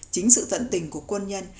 chính sự tận tình của quân nhân